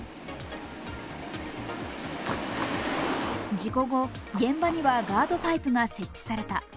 事故後、現場にはガードパイプが設置された。